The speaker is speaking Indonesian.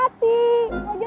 kalo jatuh gimana